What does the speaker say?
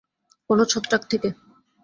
কোনো ছত্রাক থেকে।